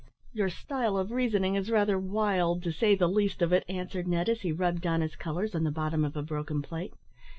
"Your style of reasoning is rather wild, to say the least of it," answered Ned, as he rubbed down his colours on the bottom of a broken plate.